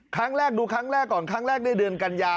ครั้งแรกดูครั้งแรกก่อนครั้งแรกในเดือนกัญญา